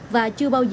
và chưa bao giờ